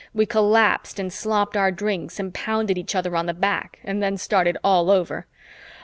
We collapsed and slopped our drinks and pounded each other on the back and then started all over.